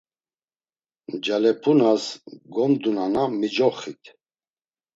Ncalepunas gomdunana micoxit.